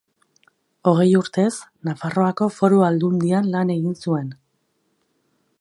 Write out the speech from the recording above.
Hogei urtez Nafarroako Foru Aldundian lan egin zuen.